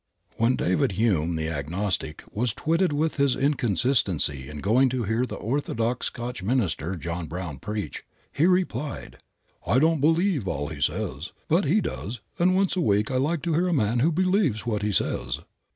When David Hume, the agnostic, was twitted with his inconsistency in going to hear the orthodox Scotch minister, John Brown, preach, he replied, "I don't believe all that he says, but he does, and once a week I like to hear a man who believes what he says."